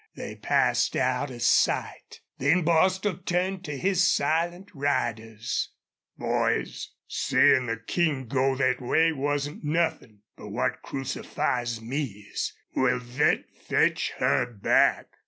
They passed out of sight. Then Bostil turned to his silent riders. "Boys, seein' the King go thet way wasn't nothin'.... But what crucifies me is WILL THET FETCH HER BACK?"